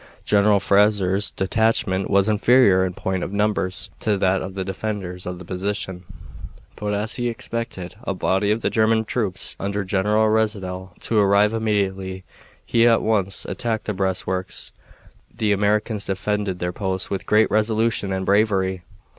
General Fraser's detachment was inferior in point of numbers to that of the defenders of the position, but as he expected a body of the German troops under General Reidesel to arrive immediately, he at once attacked the breastworks. The Americans defended their post with great resolution and bravery.